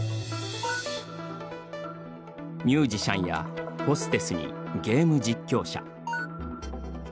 ミュージシャンやホステスにゲーム実況者。